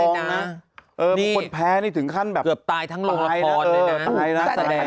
เออบางคนแพ้นี่ถึงขั้นแบบเกือบตายทั้งโลกราฟพอร์ตเลยน่ะเออตายนักแสดง